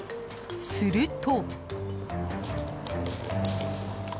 すると。